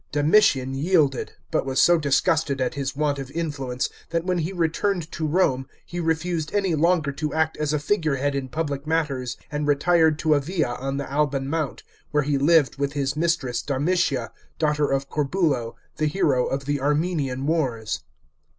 Domiti m yielded, but was so disgusted at his want of influence, that when he returned to Romo he refused any longer to act as a figure head in pubic mat'ers, and retired to a villa on the Alban mount, where he lived with 1 is mistress Domitia, daughter of Corbulo, tlie hero of the Armenian wars.